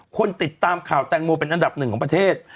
คนติดตามข่าวแตงโมเป็นอันดับหนึ่งของประเทศ